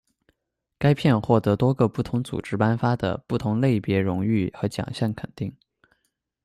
该片获得多个不同组织颁发的不同类别荣誉和奖项肯定。